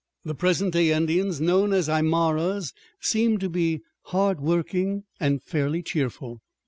The present day Indians, known as Aymaras, seem to be hard working and fairly cheerful.